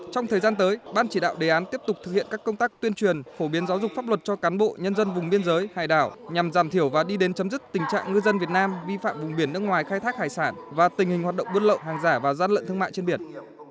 trong thời gian tới ban chỉ đạo đề án tiếp tục thực hiện các công tác tuyên truyền phổ biến giáo dục pháp luật cho cán bộ nhân dân vùng biên giới hải đảo nhằm giảm thiểu và đi đến chấm dứt tình trạng ngư dân việt nam vi phạm vùng biển nước ngoài khai thác hải sản và tình hình hoạt động bước lộ hàng giả và gian lận thương mại trên biển